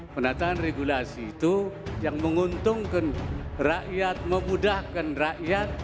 penataan regulasi itu yang menguntungkan rakyat memudahkan rakyat